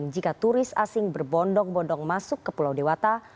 jika turis asing berbondong bondong masuk ke pulau dewata